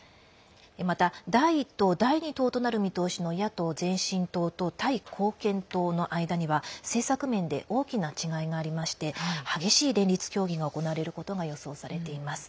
また第１党、第２党となる見通しの野党・前進党とタイ貢献党の間には政策面で大きな違いがありまして激しい連立協議が行われることが予想されています。